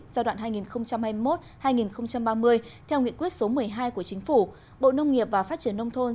giai đoạn hai nghìn hai mươi một hai nghìn ba mươi theo nguyện quyết số một mươi hai của chính phủ bộ nông nghiệp và phát triển nông thôn